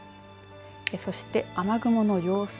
そして雨雲の様子